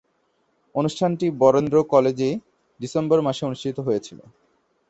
অনুষ্ঠানটি বরেন্দ্র কলেজে ডিসেম্বর মাসে অনুষ্ঠিত হয়েছিলো।